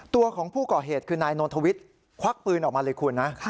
ตัวของผู้ก่อเหตุคือนายนนทวิทย์ควักปืนออกมาเลยคุณนะ